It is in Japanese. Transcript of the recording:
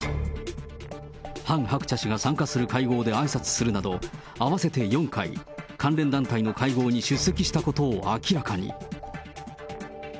ハン・ハクチャ氏が参加する会合であいさつするなど、合わせて４回、関連団体の会合に出席したことを明らかに。